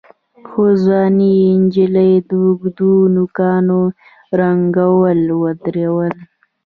خو ځوانې نجلۍ د اوږدو نوکانو رنګول ودرول.